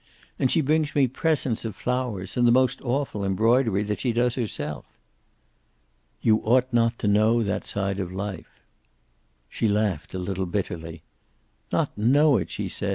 And she brings me presents of flowers and the most awful embroidery, that she does herself." "You ought not to know that side of life." She laughed a little bitterly. "Not know it!" she said.